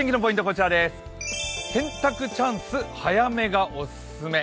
こちら洗濯チャンス、早めがオススメ。